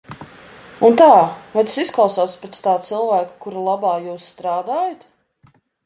Un tā, vai tas izklausās pēc tā cilvēka, kura labā jūs strādājat?